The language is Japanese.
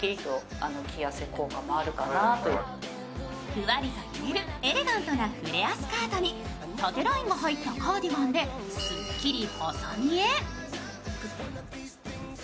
ふわりと着るエレガントなフレアスカートに縦ラインが入ったカーディガンでスッキリ細見え。